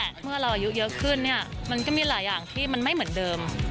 เมื่อเราอายุเยอะขึ้นเนี่ยมันก็มีหลายอย่างที่มันไม่เหมือนเดิม